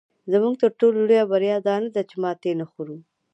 زموږ تر ټولو لویه بریا دا نه ده چې ماتې نه خورو.